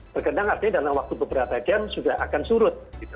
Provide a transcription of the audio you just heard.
bergendang artinya dalam waktu beberapa jam sudah akan surut